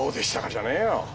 じゃねえよ。